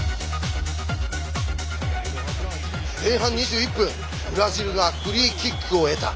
前半２１分ブラジルがフリーキックを得た。